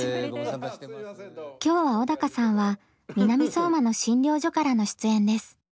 今日は小鷹さんは南相馬の診療所からの出演です。